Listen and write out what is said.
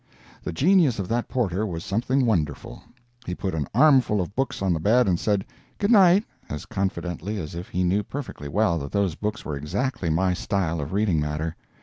The genius of that porter was something wonderful. He put an armful of books on the bed and said "Good night" as confidently as if he knew perfectly well that those books were exactly my style of reading matter.